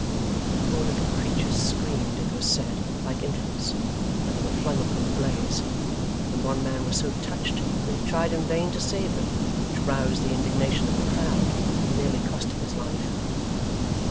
The poor little creatures screamed, it was said, like infants, when they were flung upon the blaze; and one man was so touched that he tried in vain to save them, which roused the indignation of the crowd, and nearly cost him his life.